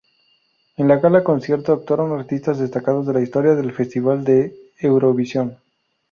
En la gala-concierto actuaron artistas destacados de la historia del Festival de Eurovisión.